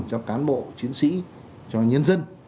cho cán bộ chiến sĩ cho nhân dân